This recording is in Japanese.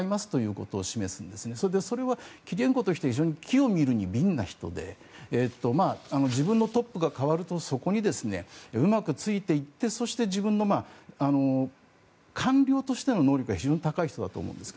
それでそれはキリエンコという人は非常に機を見るに敏な人で自分のトップが代わるとそこにうまくついていってそして自分の官僚としての能力が非常に高い人だと思うんです。